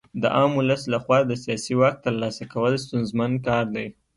د عام ولس لخوا د سیاسي واک ترلاسه کول ستونزمن کار دی.